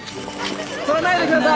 撮らないでください。